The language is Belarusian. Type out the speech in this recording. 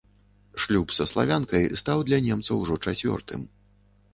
Шлюб са славянкай стаў для немца ўжо чацвёртым.